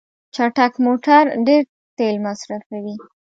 چټک موټر ډیر تېل مصرفوي.